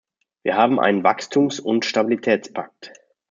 Wir haben einen Wachstumsund Stabilitätspakt.